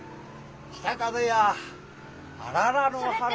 「北風やあららの春」。